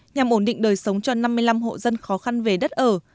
nhằm ổn định đời sống cho năm mươi năm hộ dân khó khăn về đất ở